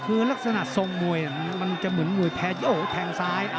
คือลักษณะทรงม้วยมันเหมือนมุยแผนซ้าย